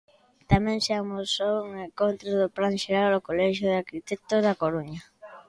Tamén se amosou en contra do Plan Xeral o Colexio de Arquitectos da Coruña.